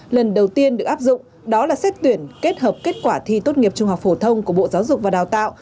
lần đầu tiên được áp dụng đó là xét tuyển kết hợp kết quả thi tốt nghiệp trung học phổ thông của bộ giáo dục và đào tạo